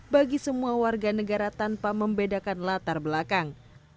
bagi semua warga negara tanpa membedakan latar belakang